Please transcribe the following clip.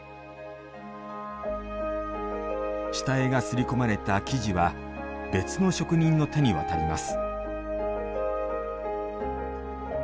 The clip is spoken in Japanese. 下絵が刷り込まれた生地は別の職人の手に渡ります。